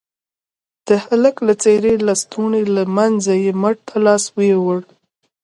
د هلك د څيرې لستوڼي له منځه يې مټ ته لاس يووړ.